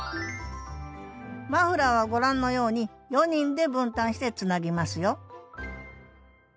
マフラーはご覧のように４人で分担してつなぎますよ